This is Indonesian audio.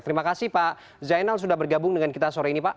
terima kasih pak zainal sudah bergabung dengan kita sore ini pak